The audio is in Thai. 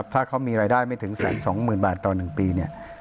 ถ้าเขามีรายได้ไม่ถึง๑๒๐๐๐บาทต่อ๑ปีเนี่ย